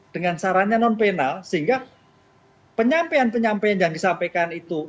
dengan sarannya non penal sehingga penyampaian penyampaian yang disampaikan itu